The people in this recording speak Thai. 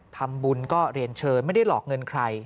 ทำบุญก็เรียนเชิญไม่ได้หลอกเงินใคร